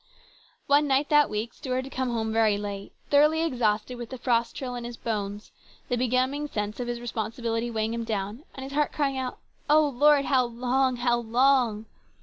One night that week Stuart had come home very late, thoroughly exhausted with the frost chill in his bones, the benumbing sense of his responsibility weighing him down, and his heart crying out, " O Lord, how long ! how long